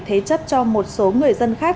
thế chất cho một số người dân khác